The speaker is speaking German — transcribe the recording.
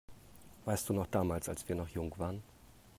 Weißt du noch damals, als wir noch jung waren?